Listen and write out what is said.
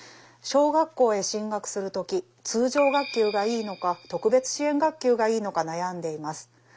「小学校へ進学する時通常学級がいいのか特別支援学級がいいのか悩んでいます。